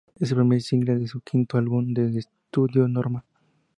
Es el primer single de su quinto álbum de estudio, "Norma".